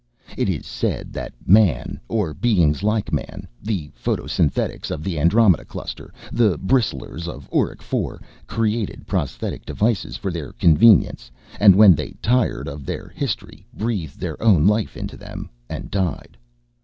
It is said that man, or beings like man the Photosynthetics of the Andromeda cluster, the Bristlers of Orc IV created prosthetic devices for their convenience and, when they tired of their history, breathed their own life into them and died.